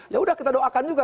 ya udah kita doakan juga